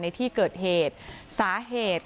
ในที่เกิดเหตุสาเหตุ